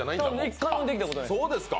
１回もできたことない。